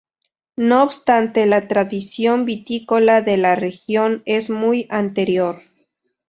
No obstante la tradición vitícola de la región es muy anterior.